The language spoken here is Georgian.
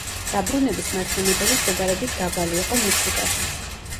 დაბრუნების მაჩვენებელი შედარებით დაბალი იყო მექსიკაშიც.